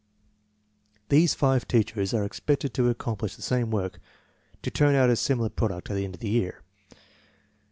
These five teachers are expected to accomplish the same work, to turn out a similar product at the end of the year.